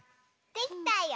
できたよ。